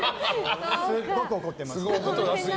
すっごく怒ってます。